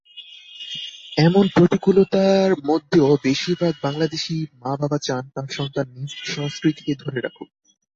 এমন প্রতিকূলতার মধ্যেও বেশিরভাগ বাংলাদেশি মাবাবা চান তাঁর সন্তান নিজ সংস্কৃতিকে ধরে রাখুক।